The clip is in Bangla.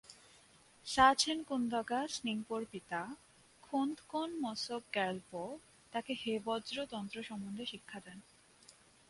সা-ছেন-কুন-দ্গা'-স্ন্যিং-পোর পিতা 'খোন-দ্কোন-ম্ছোগ-র্গ্যাল-পো তাকে হেবজ্র তন্ত্র সম্বন্ধে শিক্ষা দেন।